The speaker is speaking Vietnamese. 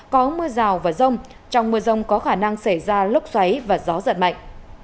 có mưa rào và rông trong mưa rông có khả năng xảy ra lốc xoáy và gió giật mạnh